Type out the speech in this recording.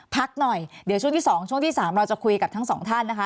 พักหน่อยเดี๋ยวช่วงที่๒ช่วงที่๓เราจะคุยกับทั้งสองท่านนะคะ